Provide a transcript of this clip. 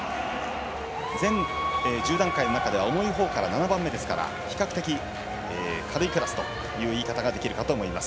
全１０段階の中では重いほうから７番目なので比較的、軽いクラスという言い方ができるかと思います。